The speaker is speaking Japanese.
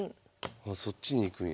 あそっちに行くんや。